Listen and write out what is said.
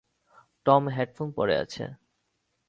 Tom headphone পড়ে আছে।